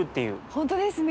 本当ですね。